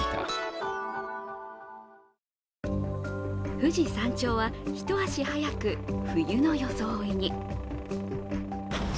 富士山頂は一足早く冬の装いに。